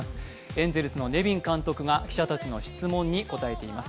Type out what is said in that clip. エンゼルスのネビン監督が記者たちの質問に答えています。